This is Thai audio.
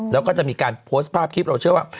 แล้วก็จะมีการโพสต์ภาพคลิปเราเชื่อว่า